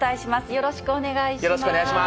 よろしくお願いします。